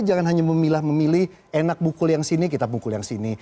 jika memilih enak bukul yang sini kita bukul yang sini